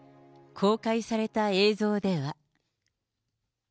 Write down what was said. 公開された映像では。